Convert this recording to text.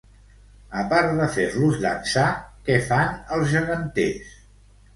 A part de fer-los dansar, què fan els geganters?